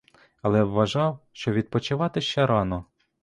Але вважав, що відпочивати ще рано.